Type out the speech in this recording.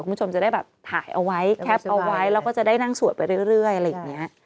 คุณผู้ชมจะได้แบบถ่ายเอาไว้แคปเอาไว้แล้วก็จะได้นั่งสวดไปเรื่อยอะไรอย่างนี้